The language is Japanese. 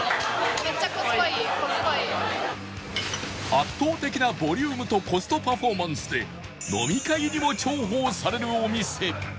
圧倒的なボリュームとコストパフォーマンスで飲み会にも重宝されるお店